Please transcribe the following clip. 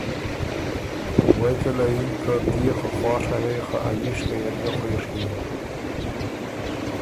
غوېکه له یِن که ”تُو يې خه خواڒه هې خه ا ييشکئ ات ګۀ خوېڒی یِن“